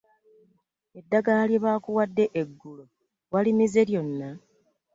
Eddagala lye baakuwadde eggulo walimize lyonna?